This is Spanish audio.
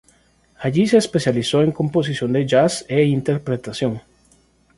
Allí se especializó en composición de jazz e interpretación.